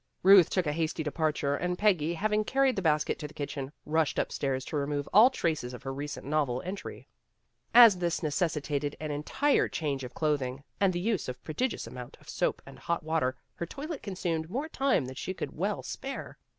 Ruth took a hasty departure and Peggy, hav ing carried the basket to the kitchen, rushed upstairs to remove all traces of her recent novel entry. As this necessitated an entire change of clothing and the use of a prodigious amount of soap and hot water, her toilet consumed more time than she could well spare.